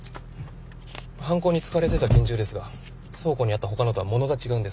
犯行に使われてた拳銃ですが倉庫にあった他のとは物が違うんです。